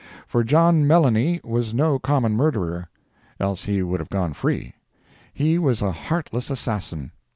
For John Melanie was no common murderer—else he would have gone free. He was a heartless assassin.